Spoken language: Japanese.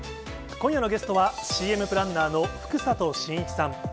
今夜のゲストはＣＭプランナーの福里真一さん。